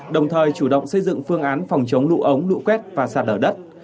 đồng thời chủ động xây dựng phương án phòng chống lụ ống lụ quét và sạt ở đất